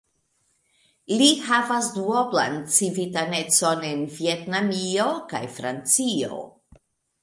Li havas duoblan civitanecon de Vjetnamio kaj Francio.